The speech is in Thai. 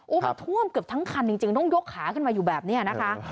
มันท่วมเกือบทั้งคันจริงต้องยกขาขึ้นมาอยู่แบบนี้นะคะ